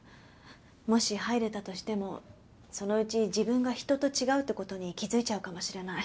もし入れたとしてもそのうち自分が人と違うって事に気づいちゃうかもしれない。